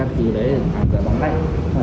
sẽ lên xuống bụt rộng